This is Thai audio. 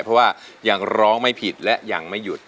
เพราะว่ายังร้องไม่ผิดและยังไม่หยุด